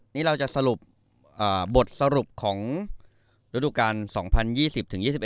นี่เราจะสรุปอ่าบทสรุปของรูปรุกการ๒๐๒๐ถึง๒๐๒๑